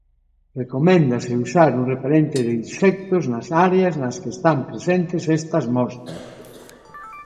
Recoméndase usar un repelente de insectos nas áreas nas que están presentes estas moscas.